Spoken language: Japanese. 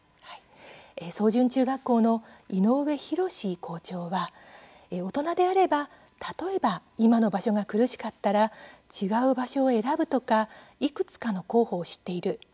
草潤中学校の井上博詞校長は大人であれば、例えば今の場所が苦しかったら違う場所を選ぶとかいくつかの候補を知っている。